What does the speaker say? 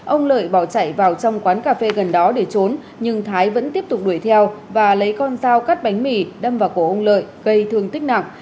ông lợi bỏ chạy vào trong quán cà phê gần đó để trốn nhưng thái vẫn tiếp tục đuổi theo và lấy con dao cắt bánh mì đâm vào cổ ông lợi gây thương tích nặng